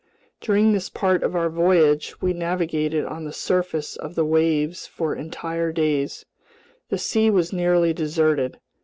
During this part of our voyage, we navigated on the surface of the waves for entire days. The sea was nearly deserted.